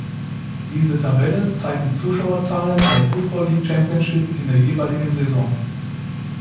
Diese Tabelle zeigt die Zuschauerzahlen der Football League Championship in der jeweiligen Saison.